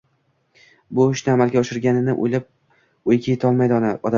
Bu ishni amalga oshirishganini oʻylab oʻyiga yetolmaydi odam.